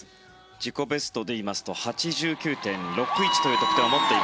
自己ベストでいいますと８９．６１という得点。